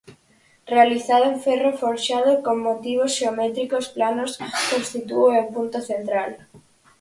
Realizada en ferro forxado con motivos xeométricos planos, constitúe o punto central.